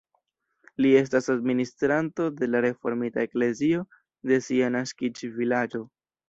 Li estas administranto de la reformita eklezio de sia naskiĝvilaĝo.